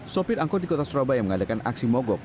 sopir angkot di kota surabaya mengadakan aksi mogok